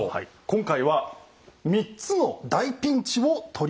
今回は３つの大ピンチを取り上げました。